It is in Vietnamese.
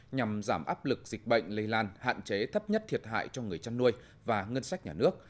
nhằm giảm áp lực dịch bệnh lây lan hạn chế thấp nhất thiệt hại cho người chăn nuôi và ngân sách nhà nước